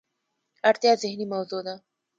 اړتیا ذهني موضوع ده.